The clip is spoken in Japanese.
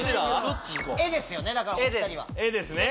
「エ」ですよね